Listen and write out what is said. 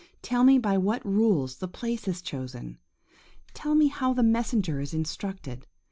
Tell me by what rules the place is chosen. Tell me how the messenger is instructed.